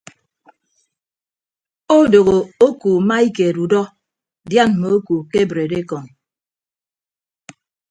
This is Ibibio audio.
Odooho oku maikeed udọ dian mme oku kebreed ekọñ.